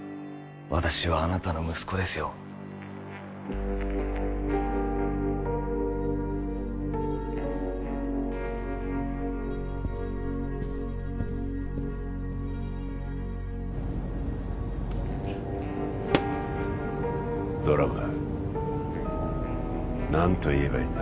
私はあなたの息子ですよドラム何と言えばいいんだ？